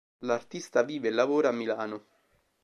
L'artista vive e lavora a Milano.